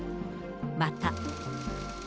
また。